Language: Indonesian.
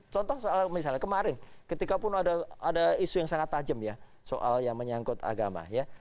contoh soal misalnya kemarin ketika pun ada isu yang sangat tajam ya soal yang menyangkut agama ya